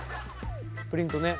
プリントね。